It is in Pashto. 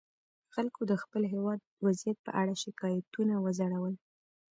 خلکو د خپل هېواد وضعیت په اړه شکایتونه وځړول.